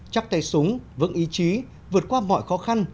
chắc tay súng vững ý chí vượt qua mọi khó khăn